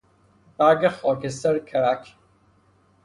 برگ خاکستر کرک